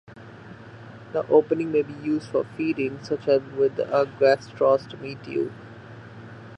The opening may be used for feeding, such as with a gastrostomy tube.